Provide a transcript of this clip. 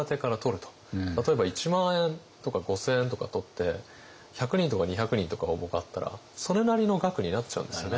例えば１万円とか５，０００円とか取って１００人とか２００人とか応募があったらそれなりの額になっちゃうんですよね。